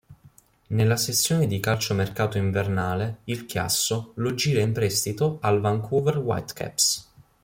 Nella sessione di calciomercato invernale il Chiasso lo gira in prestito al Vancouver Whitecaps.